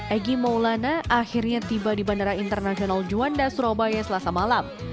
egy maulana akhirnya tiba di bandara internasional juanda surabaya selasa malam